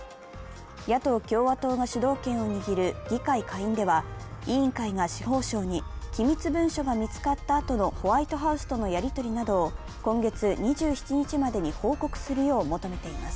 野党・共和党が主導権を握る議会下院では委員会が司法省に機密文書が見つかったあとのホワイトハウスとのやり取りなどを今月２７日までに報告するよう求めています。